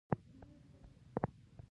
آیا کلتوري میراثونه اقتصاد ته ګټه لري؟